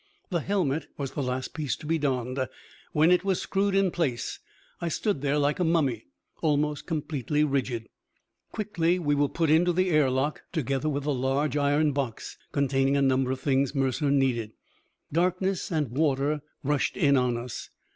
The helmet was the last piece to be donned; when it was screwed in place I stood there like a mummy, almost completely rigid. Quickly we were put into the air lock, together with a large iron box containing a number of things Mercer needed. Darkness and water rushed in on us.